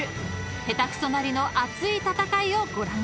［ヘタクソなりの熱い戦いをご覧ください］